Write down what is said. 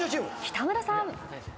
北村さん。